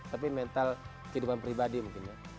tapi mental kehidupan pribadi mungkin ya